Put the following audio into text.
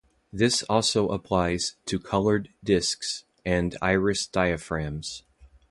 This also applies to colored discs and iris diaphragms.